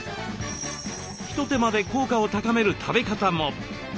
一手間で効果を高める食べ方も。